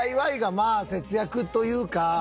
ＤＩＹがまあ節約というか。